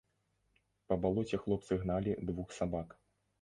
Па балоце хлопцы гналі двух сабак.